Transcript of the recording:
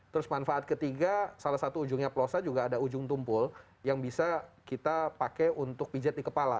terus manfaat ketiga salah satu ujungnya plosa juga ada ujung tumpul yang bisa kita pakai untuk pijat di kepala